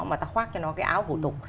mà ta khoác cho nó cái áo hổ tục